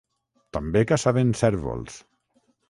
També caçaven cérvols.